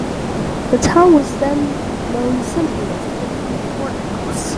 The town was then known simply as Whitley Courthouse.